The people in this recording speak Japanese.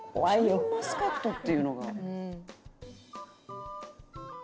「シャインマスカットっていうのが」